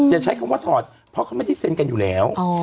อย่าใช้คำว่าถอดเพราะเขาไม่ได้เซ็นกันอยู่แล้ว